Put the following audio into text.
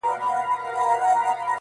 خپه سو، صرف يو غاړه چي هم ور نه کړله~